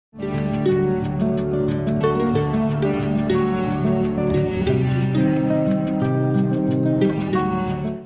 hẹn gặp lại các bạn trong những video tiếp theo